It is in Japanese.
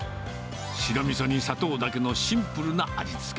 白みそに砂糖だけのシンプルな味付け。